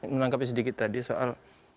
melangkapi sedikit tadi soal